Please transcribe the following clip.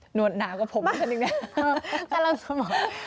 หนวดหนากว่าผมอยู่ที่นี่